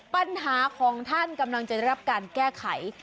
ปัญหาของท่านกำลังจะได้รับการแก้ไข